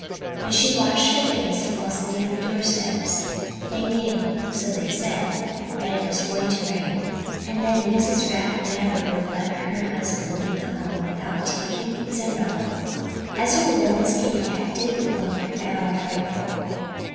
When she washed her face, while sitting on the doorsteps, they knew so they said! that it was going to rain. And then Mrs. Rat never would let her husband leave home without taking his umbrella. As a rule Miss Kitty Cat didn't look at all frightful.